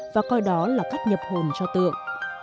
và coi đó là cách nhập hồn cho tượng